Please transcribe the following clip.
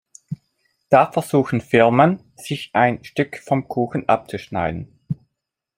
Da versuchen Firmen, sich ein Stück vom Kuchen abzuschneiden.